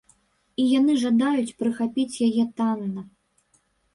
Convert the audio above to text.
І яны жадаюць прыхапіць яе танна.